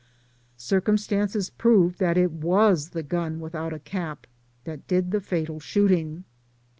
Circumstances proved that it was the gun without a cap that did the fatal shooting.